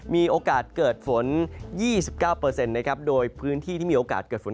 มีโอกาสเกิดฝน๒๙โดยพื้นที่ที่มีโอกาสเกิดฝน